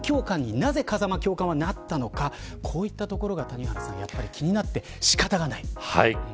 そして鬼教官になぜ風間教官はなったのかこういったところがやっぱり気になって仕方がない。